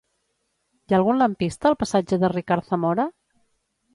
Hi ha algun lampista al passatge de Ricard Zamora?